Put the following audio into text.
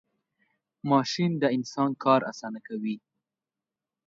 ماشین د انسان کار آسانه کوي .